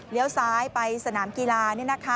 เลี้ยวซ้ายไปสนามกีฬา